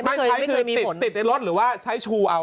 ไม่ใช้คือติดในรถหรือว่าใช้ชูเอา